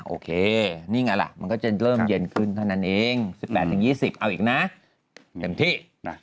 โอเคนี่ไงล่ะมันก็จะเริ่มเย็นขึ้นเท่านั้นเอง๑๘๒๐เอาอีกนะเต็มที่